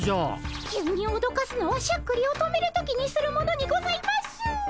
急におどかすのはしゃっくりを止める時にするものにございます！